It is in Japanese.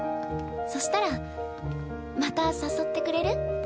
そしたらまた誘ってくれる？